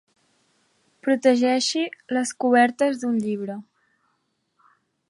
Protegeixi les cobertes d'un llibre.